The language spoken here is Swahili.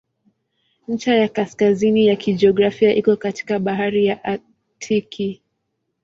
Ncha ya kaskazini ya kijiografia iko katikati ya Bahari ya Aktiki.